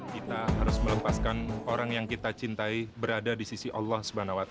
kita harus melepaskan orang yang kita cintai berada di sisi allah swt